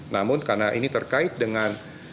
namun karena ini terkait dengan